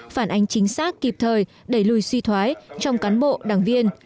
phản ánh chính xác kịp thời đẩy lùi suy thoái trong cán bộ đảng viên